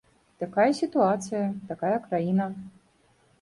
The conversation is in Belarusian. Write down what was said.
Такая сітуацыя, такая краіна.